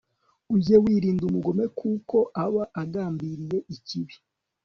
ujye wirinda umugome kuko aba agambiriye ikibi